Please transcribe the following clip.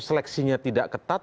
seleksinya tidak ketat